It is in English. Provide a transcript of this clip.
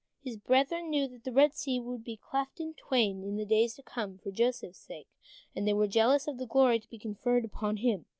His brethren knew that the Red Sea would be cleft in twain in days to come for Joseph's sake, and they were jealous of the glory to be conferred upon him.